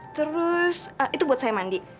terus itu buat saya mandi